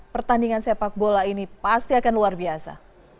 pertandingan sepak bola ini pasti akan luar biasa